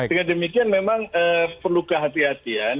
dengan demikian memang perlu kehati hatian